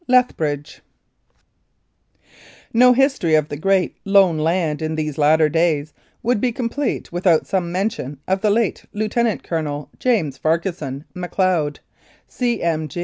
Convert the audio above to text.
LETHBRIDGE No history of the Great Lone Land in these latter days would be complete without some mention of the late Lieutenant Colonel James Farquharson Macleod, C.M.